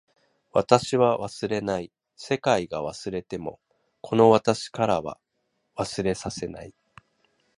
私は忘れない。世界が忘れてもこの私からは忘れさせない。